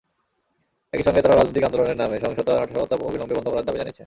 একই সঙ্গে তাঁরা রাজনৈতিক আন্দোলনের নামে সহিংসতা-নাশকতা অবিলম্বে বন্ধ করার দাবি জানিয়েছেন।